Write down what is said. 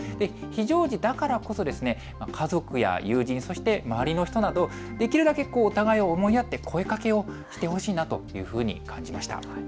非常時だからこそ家族や友人、そして周りの人などできるだけお互いを思いやった声かけをしてほしいと感じました。